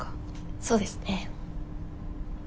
そうですね。